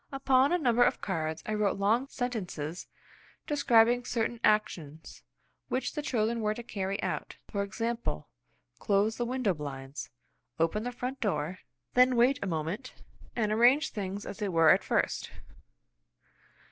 Upon a number of cards I wrote long sentences describing certain actions which the children were to carry out; for example, "Close the window blinds; open the front door; then wait a moment, and arrange things as they were at first."